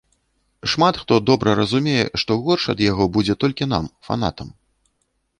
Шмат хто добра разумее, што горш ад яго будзе толькі нам, фанатам.